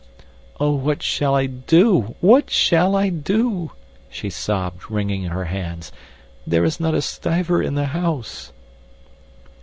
Oh, what shall I do, what shall I do?" she sobbed, wringing her hands. "There is not a stiver in the house."